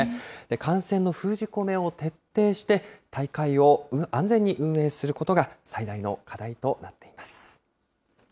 感染の封じ込めを徹底して、大会を安全に運営することが、最大の課題となっています。